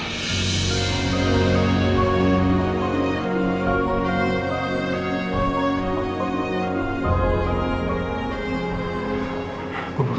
gue akan jagain lo